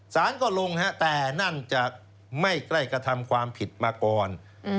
สารก็ลงแต่นั่นจะไม่ใกล้กระทำความผิดมาก่อน